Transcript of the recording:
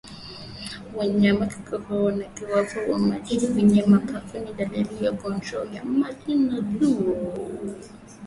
Wanyama kukohoa na kuwepo maji kwenye mapafu ni dalili ya ugonjwa wa majimoyo